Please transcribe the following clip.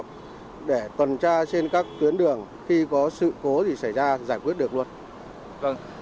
nghiniz việt ekk lock foreas những người quen bỏng loại điểm dùng tiềnars để gọi giao cuốn cá ảnh sản